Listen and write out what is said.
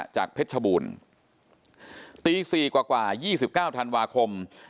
เพชรชบูรณ์ตี๔กว่า๒๙ธันวาคม